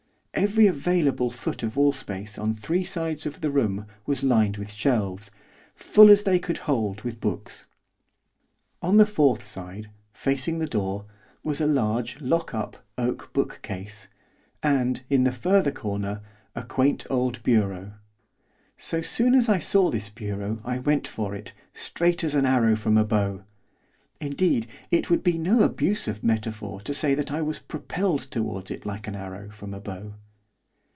Every available foot of wall space on three sides of the room was lined with shelves, full as they could hold with books. On the fourth side, facing the door, was a large lock up oak bookcase, and, in the farther corner, a quaint old bureau. So soon as I saw this bureau I went for it, straight as an arrow from a bow, indeed, it would be no abuse of metaphor to say that I was propelled towards it like an arrow from a bow.